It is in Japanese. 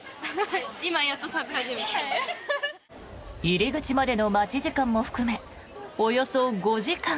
入り口までの待ち時間も含めおよそ５時間。